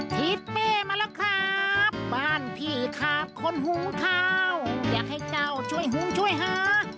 ทิศเป้มาแล้วครับบ้านพี่ครับคนหุงข้าวอยากให้เจ้าช่วยหุงช่วยหา